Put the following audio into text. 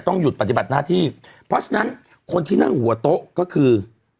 หยุดปฏิบัติหน้าที่เพราะฉะนั้นคนที่นั่งหัวโต๊ะก็คือ